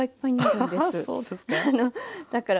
そうですか。